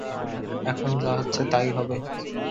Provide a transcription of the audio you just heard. এখন যা হচ্ছে, তাই হবে।